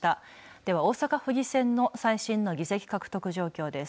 では、大阪府議選の最新の議席獲得状況です。